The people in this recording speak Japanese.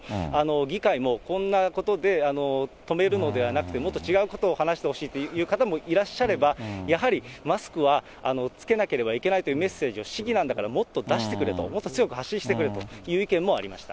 議会も、こんなことで止めるのではなくて、もっと違うことを話してほしいという方もいらっしゃれば、やはり、マスクは着けなければいけないというメッセージを、市議なんだから、もっと出してくれと、もっと強く発信してくれという意見もありました。